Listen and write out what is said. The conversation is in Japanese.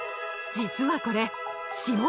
実はこれ。